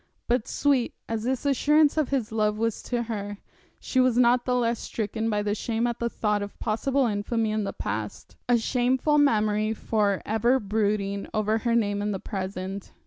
But sweet as this assurance of his love was to her, she was not the less stricken by shame at the thought of possible infamy in the past, a shameful memory for ever brooding over her name in the present.